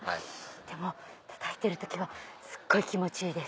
でもたたいてる時はすっごい気持ちいいです。